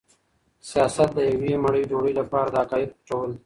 سیاست د یوې مړۍ ډوډۍ لپاره د حقایقو پټول دي.